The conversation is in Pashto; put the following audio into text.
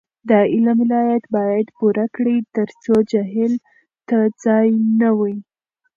د علم ولایت باید پوره کړي ترڅو جهل ته ځای نه وي.